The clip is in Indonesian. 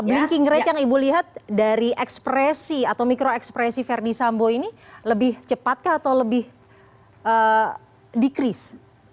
blinking rate yang ibu lihat dari ekspresi atau mikro ekspresi ferdis sambo ini lebih cepat kah atau lebih decrease